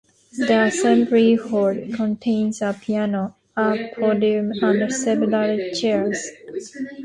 The Assembly Hall contains a piano, a podium and several chairs.